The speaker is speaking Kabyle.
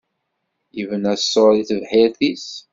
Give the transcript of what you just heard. Yebna ṣṣuṛ i tebḥirt-is.